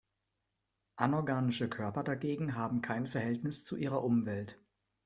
Anorganische Körper dagegen haben kein Verhältnis zu ihrer Umwelt.